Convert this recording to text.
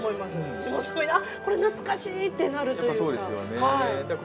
懐かしい！ってなるというか。